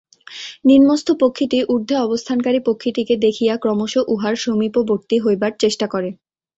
নিম্নস্থ পক্ষীটি ঊর্ধ্বে অবস্থানকারী পক্ষীটিকে দেখিয়া ক্রমশ উহার সমীপবর্তী হইবার চেষ্টা করে।